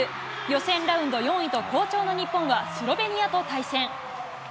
予選ラウンド４位と好調の日本はスロベニアと対戦。